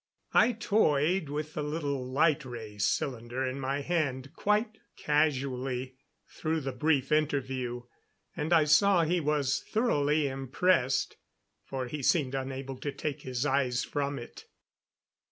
I toyed with the little light ray cylinder in my hand quite casually through the brief interview, and I saw he was thoroughly impressed, for he seemed unable to take his eyes from it.